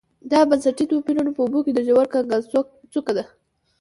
دا بنسټي توپیرونه په اوبو کې د ژور کنګل څوکه ده